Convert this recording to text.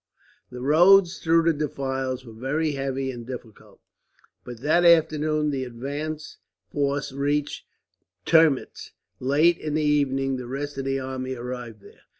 The roads through the defiles were very heavy and difficult, but that afternoon the advance force reached Termitz. Late in the evening the rest of the army arrived there.